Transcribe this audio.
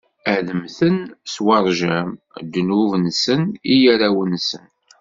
Ad mmten s uṛjam: ddnub-nsen i yirawen-nsen.